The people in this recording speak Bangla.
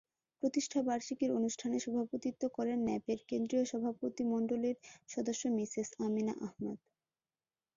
প্রতিষ্ঠাবার্ষিকীর অনুষ্ঠানে সভাপতিত্ব করেন ন্যাপের কেন্দ্রীয় সভাপতিমণ্ডলীর সদস্য মিসেস আমিনা আহমদ।